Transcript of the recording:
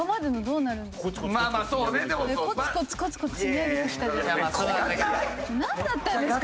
なんだったんですか？